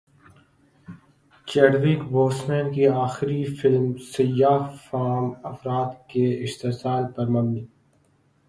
Chadwick Boseman کی اخری film سیاہ فام افراد کے استحصال پر مبنی